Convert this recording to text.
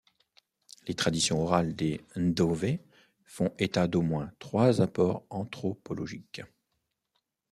Les traditions orales des Ndowe font état d’au moins trois apports anthro-pologiques.